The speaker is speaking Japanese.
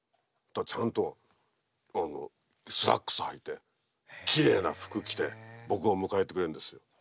ちゃんとスラックスはいてきれいな服着て僕を迎えてくれるんですよ。